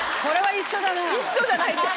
一緒じゃないです。